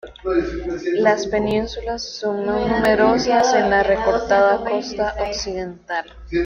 Las penínsulas son más numerosas en la recortada costa occidental.